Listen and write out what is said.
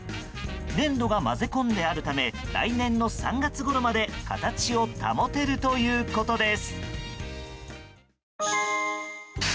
粘土が混ぜ込んであるため来年の３月ごろまで形を保てるということです。